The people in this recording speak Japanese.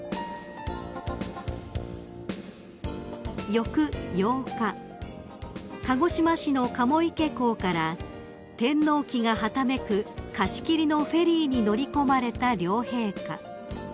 ［翌８日鹿児島市の鴨池港から天皇旗がはためく貸し切りのフェリーに乗り込まれた両陛下］